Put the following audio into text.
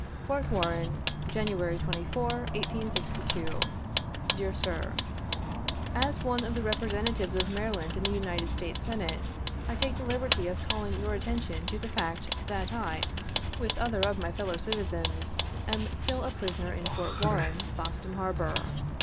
"Fort Warren, January 24, 1862. "Dear Sir: — "As one of the Representatives of Maryland in the United States Senate, I take the liberty of calling your attention to the fact that I, with other of my fellow citizens, am still a prisoner in Fort Warren, Boston Harbor.